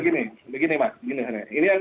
ini kan begini pak